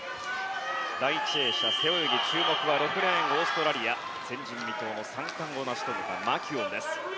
第１泳者、背泳ぎ注目は６レーン、オーストラリア前人未到の３冠を成し遂げたマキュオンです。